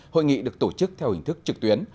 hội nghị được tổ chức theo hình thức trực tuyến